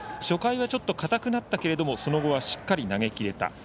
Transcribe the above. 初回はちょっと硬くなったけどその後は、しっかり投げきれた。